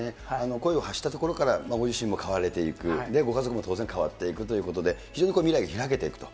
声を発したところからご自身も変われていく、ご家族も当然変わっていくということで、非常に未来が開けていくと。